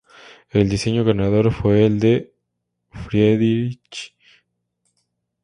El diseño ganador fue el de Friedrich St.